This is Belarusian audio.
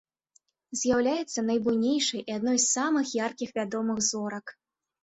З'яўляецца найбуйнейшай і адной з самых яркіх вядомых зорак.